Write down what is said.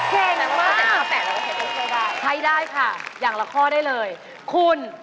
เก่งมากใช่ได้ค่ะอย่างละข้อได้เลยคุณ